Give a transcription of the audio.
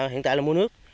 hiện tại là mua nước